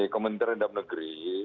komentar rendah negeri